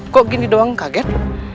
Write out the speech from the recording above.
kok gini doang kaget